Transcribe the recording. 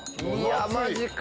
マジか！